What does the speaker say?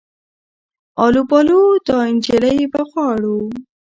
آلو بالو دا انجلۍ به غواړو